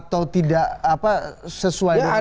atau tidak sesuai dengan